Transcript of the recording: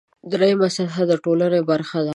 درېیمه سطح متدینې ټولنې برخې دي.